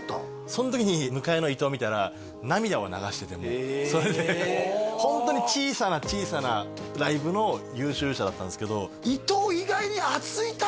その時に向かいの伊藤見たら涙を流しててもうそれでホントに小さな小さなライブの優秀者だったんですけど伊藤